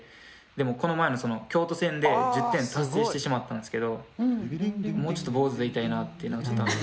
でもこの前の京都戦で１０点達成してしまったんですけどもうちょっと坊主でいたいなっていうのがちょっとあって。